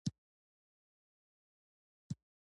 کې وینې په څه یې وینې ؟